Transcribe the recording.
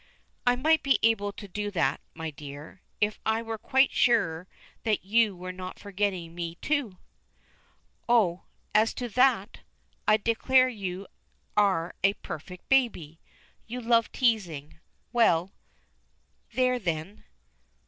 "I might be able to do that, my dear, if I were quite sure that you were not forgetting me, too." "Oh, as to that! I declare you are a perfect baby! You love teasing. Well there then!"